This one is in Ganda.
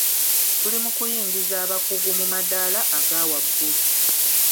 Tuli mu kuyingiza abakugu mu maddaala agawaggulu.